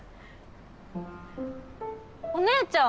お姉ちゃん！